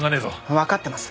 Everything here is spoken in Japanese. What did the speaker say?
わかってます！